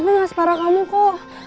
tapi gak separah kamu kok